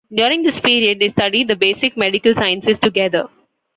During this period they study the basic medical sciences together.